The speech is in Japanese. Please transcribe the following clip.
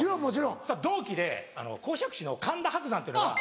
そしたら同期で講釈師の神田伯山ってのが。